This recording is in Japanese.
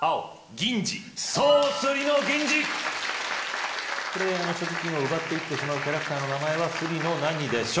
青銀次そうスリの銀次プレーヤーの所持金を奪っていってしまうキャラクターの名前は「スリの何」でしょう